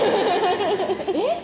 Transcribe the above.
えっ？